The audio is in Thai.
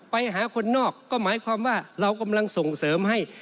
ไปหาคนนอกก็หมายความว่าเรากำลังส่งเสริมให้